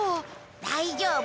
大丈夫。